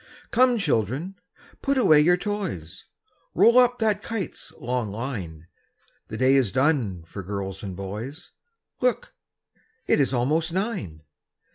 "Come, children, put away your toys; Roll up that kite's long line; The day is done for girls and boys Look, it is almost nine!